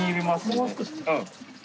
・もう少し。